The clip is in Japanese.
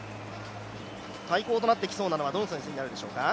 対抗となってきそうなのはどの選手になりそうですか？